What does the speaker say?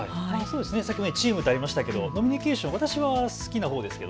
先ほどチームとありましたが飲みニケーション、私は好きなほうです。